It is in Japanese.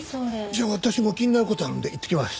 じゃあ私も気になる事あるので行ってきます。